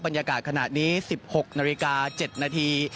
บรรยากาศขณะนี้๑๖นาฬิกา๗นาที